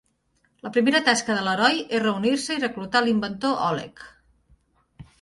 La primera tasca de l'heroi és reunir-se i reclutar l'inventor Oleg.